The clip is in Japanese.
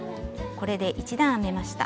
これで１段編めました。